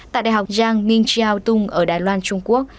tại đại học jiang mingqiao tung ở đài loan trung quốc